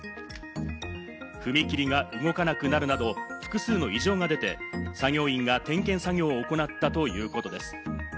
踏切が動かなくなるなど複数の異常が出て、作業員が点検作業を行ったということです。